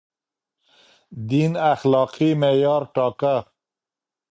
دين اخلاقي معيار ټاکه.